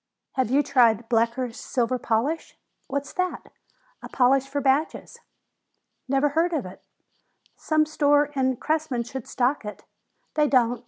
"Have you tried Blecker's Silver Polish?" "What's that?" "A polish for badges." "Never heard of it." "Some store in Cressman should stock it." "They don't.